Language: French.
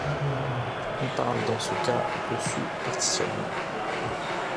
On parle dans ce cas de sous-partitionnement.